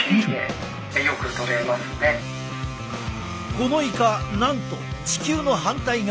このイカなんと地球の反対側